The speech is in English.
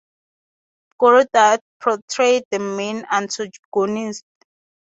Guru Dutt portrayed the main antagonist.